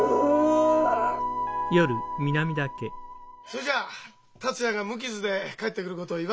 それじゃあ達也が無傷で帰ってくることを祝って乾杯！